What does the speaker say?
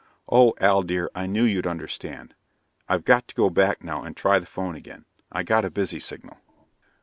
"Oh, Al dear, I knew you'd understand! I've got to go back now and try the phone again. I got a busy signal."